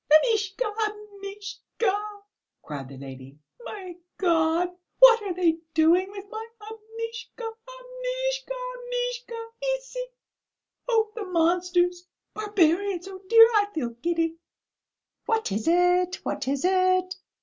"Amishka! Amishka," cried the lady. "My God, what are they doing with my Amishka? Amishka! Amishka! Ici! Oh, the monsters! Barbarians! Oh, dear, I feel giddy!" "What is it, what is it?"